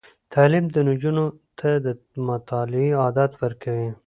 تعلیم نجونو ته د مطالعې عادت ورکوي.